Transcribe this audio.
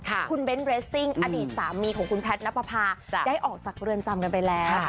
คุณเบ้นเรสซิ่งอดีตสามีของคุณแพทย์นับประพาได้ออกจากเรือนจำกันไปแล้ว